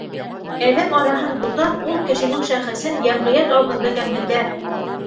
Әҙәм араһын бутап, ул кешенең шәхесен йәмғиәт алдында кәмһетә.